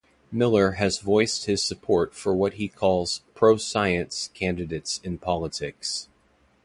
Miller has voiced his support for what he calls "pro-science" candidates in politics.